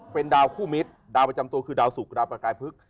เป็นดาวคู่มิตรดาวประจำตัวคือดาวสุกดาวประกายพฤกษ